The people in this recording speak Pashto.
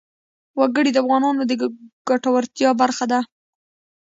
وګړي د افغانانو د ګټورتیا برخه ده.